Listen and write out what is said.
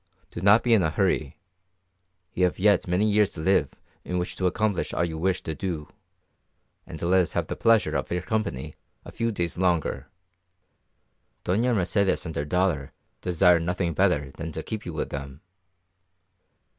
Do not be in a hurry; you have yet many years to live in which to accomplish all you wish to do, and let us have the pleasure of your company a few days longer. Doña Mercedes and her daughter desire nothing better than to keep you with them."